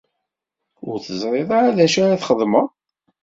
Ur teẓriḍ ara d acu ara txedmeḍ?